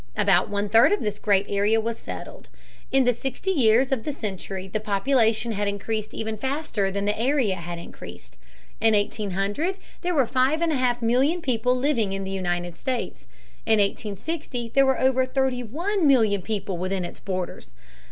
About one third of this great area was settled. In the sixty years of the century the population had increased even faster than the area had increased. In 1800 there were five and a half million people living in the United States. In 1860 there were over thirty one million people within its borders.